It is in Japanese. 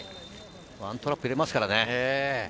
ワントラップ入れますからね。